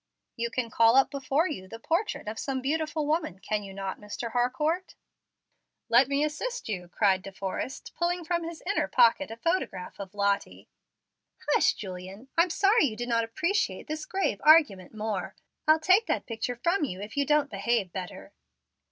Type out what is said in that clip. "You can call up before you the portrait of some beautiful woman, can you not, Mr. Harcourt?" "Let me assist you," cried De Forrest, pulling from his inner pocket a photograph of Lottie. "Hush, Julian. I'm sorry you do not appreciate this grave argument more; I'll take that picture from you, if you don't behave better."